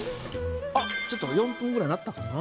ちょっと４分ぐらいなったかな？